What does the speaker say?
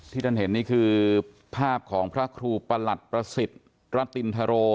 ท่านเห็นนี่คือภาพของพระครูประหลัดประสิทธิ์รตินทโร